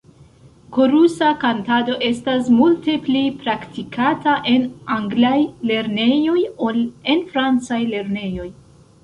Korusa kantado estas multe pli praktikata en anglaj lernejoj ol en francaj lernejoj.